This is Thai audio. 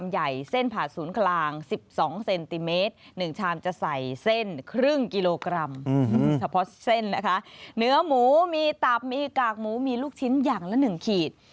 เหนือหมูมีตับมีกากหมูมีลูกชิ้นอย่างละ๑ขีด